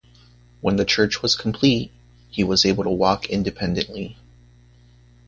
When the church was complete, he was able to walk independently.